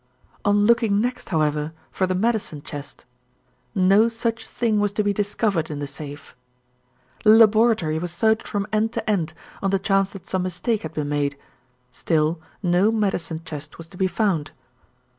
"On looking next, however, for the medicine chest, no such thing was to be discovered in the safe. The laboratory was searched from end to end, on the chance that some mistake had been made. Still no medicine chest was to be found.